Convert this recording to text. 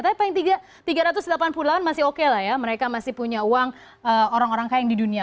tapi paling tiga ratus delapan puluh delapan masih oke lah ya mereka masih punya uang orang orang kaya di dunia